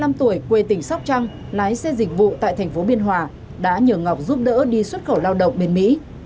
đàn ông bốn mươi năm tuổi quê tỉnh sóc trăng lái xe dịch vụ tại tp biên hòa đã nhờ ngọc giúp đỡ đi xuất khẩu lao động bên mỹ